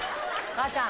母ちゃん。